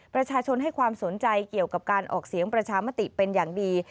ประชาชนให้ความสนใจเกี่ยวกับการออกเสียงประชามติเป็นอย่างดี